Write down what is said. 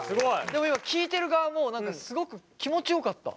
でも今聞いてる側もすごく気持ちよかった。